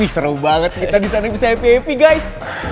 seru banget kita di sana bisa happy happy guys